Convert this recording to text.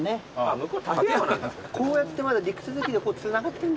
こうやってまだ陸続きでつながってんだ。